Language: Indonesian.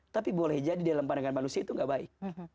tapi boleh jadi dalam pandangan manusia itu tidak baik